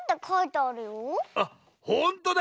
あっほんとだ！